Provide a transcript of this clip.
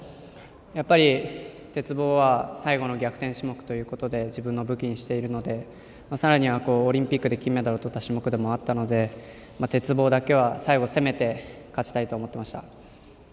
やっぱり鉄棒は最後の逆転種目ということで自分の武器にしているのでさらにはオリンピックで金メダルとった種目でもあったので最後、鉄棒だけは攻めて勝ちたいと思っていました。